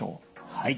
はい。